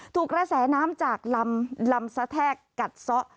ถูกระแสน้ำจากรำรำสะแท๊กกัดสะ